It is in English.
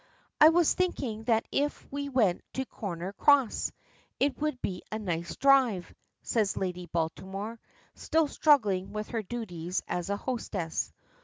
"I was thinking that if we went to 'Connor's Cross,' it would be a nice drive," says Lady Baltimore, still struggling with her duties as a hostess.